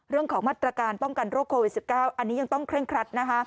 เรื่องของมาตรการป้องกันโรคโควิด๑๙อันนี้ยังต้องเคร่งครัดนะคะ